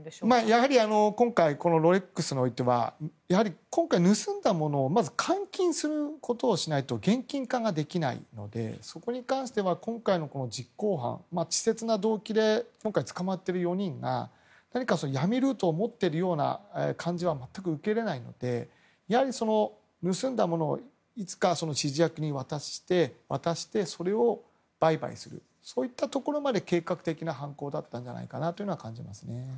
やはり今回ロレックスにおいては今回盗んだものを換金することをしないと現金化ができないのでそこに関しては今回の実行犯稚拙な動機で今回捕まっている４人が何か闇ルートを持っているような感じは見受けられないのでやはり盗んだものをいつか指示役に渡してそれを、売買するところまで計画的な犯行だったのではないかと感じます。